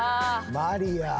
マリア！